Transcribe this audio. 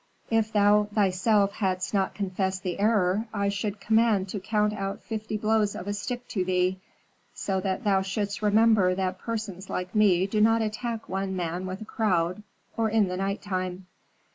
If thou thyself hadst not confessed the error, I should command to count out fifty blows of a stick to thee, so that thou shouldst remember that persons like me do not attack one man with a crowd, or in the night time."